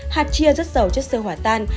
hạt chia rất giàu chất sơ hỏa tan